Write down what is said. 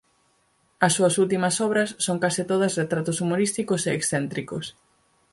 As súas últimas obras son case todas retratos humorísticos e excéntricos.